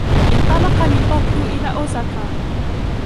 انطلقَ من طوكيو إلى أوزاكا.